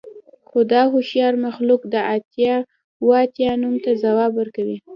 خو دا هوښیار مخلوق د اتیا اوه اتیا نوم ته ځواب ورکوي